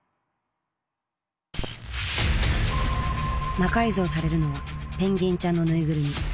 魔改造されるのはペンギンちゃんのぬいぐるみ。